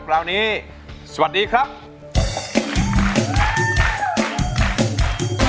คราวนี้สวัสดีครับ